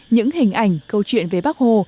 những hình ảnh câu chuyện về bắc hồ